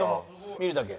見るだけ？